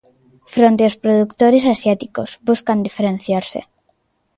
Fronte aos produtores asiáticos, buscan diferenciarse.